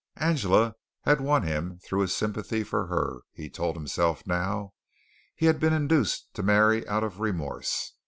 Angela had won him through his sympathy for her, he told himself now. He had been induced to marry out of remorse.